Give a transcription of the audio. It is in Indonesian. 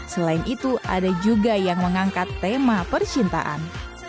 selain itu ada juga yang mengangkat tema percintaan